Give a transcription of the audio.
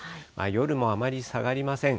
夜もあまり下がりません。